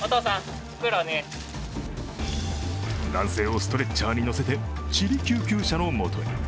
男性をストレッチャーに乗せてちび救急車のもとへ。